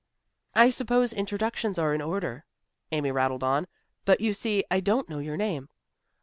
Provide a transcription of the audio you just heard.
"I suppose introductions are in order," Amy rattled on, "but, you see, I don't know your name."